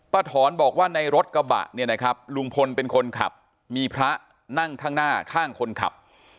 ถอนบอกว่าในรถกระบะเนี่ยนะครับลุงพลเป็นคนขับมีพระนั่งข้างหน้าข้างคนขับ